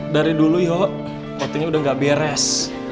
dari dulu yho motinya udah gak beres